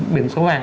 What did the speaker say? biển số hàng